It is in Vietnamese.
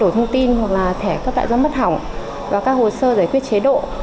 thông tin hoặc là thẻ cấp đại doan bất hỏng và các hồ sơ giải quyết chế độ